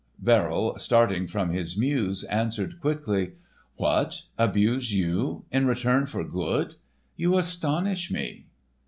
Verrill, starting from his muse, answered quickly: "What, abuse, you! in return for good! You astonish me."